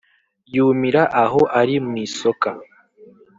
yumira aho ari mwisoka